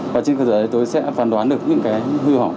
và trên cơ sở đấy tôi sẽ phán đoán được những cái hư hỏng